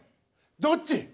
どっち？